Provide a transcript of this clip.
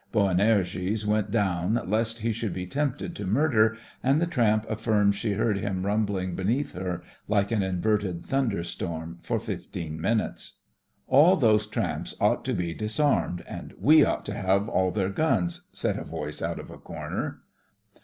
Boanerges went down lest he should be tempted to murder, and the tramp afSrms she heard him rumbling beneath her, like an inverted thunderstorm, for fifteen minutes. "All those tramps ought to be dis armed, and we ought to have all their guns," said a voice out of a corner.